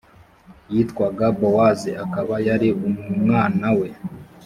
yitwaga bowazi akaba yari umwanawe.